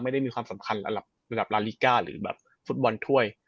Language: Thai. ไม่ได้มีความสำคัญระดับลาลิก้าหรือแบบฟุตบอลถ้วย